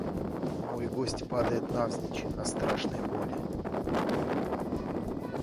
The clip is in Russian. Мой гость падает навзничь от страшной боли.